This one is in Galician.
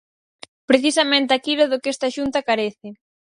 Precisamente aquilo do que esta Xunta carece.